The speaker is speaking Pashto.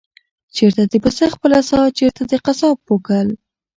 چېرته د پسه خپله ساه، چېرته د قصاب پوکل؟